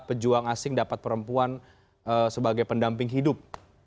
pejuang asing dapat perempuan sebagai pendamping hidup